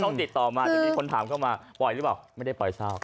ติดต่อมาแต่มีคนถามเข้ามาปล่อยหรือเปล่าไม่ได้ปล่อยเศร้า